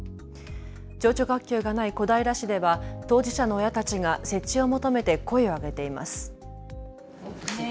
情緒学級がない小平市では当事者の親たちが設置を求めて声を上げています。